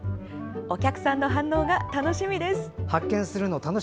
お客さんの反応が楽しみです。